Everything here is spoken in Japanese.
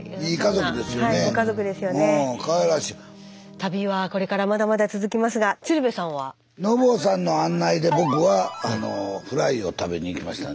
旅はこれからまだまだ続きますが鶴瓶さんは？のぼうさんの案内で僕はフライを食べに行きました。